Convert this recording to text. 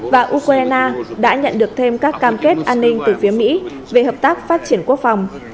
và ukraine đã nhận được thêm các cam kết an ninh từ phía mỹ về hợp tác phát triển quốc phòng